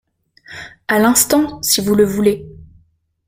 À l’instant, si vous le voulez.